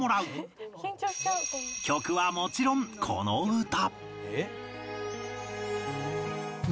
曲はもちろんこの歌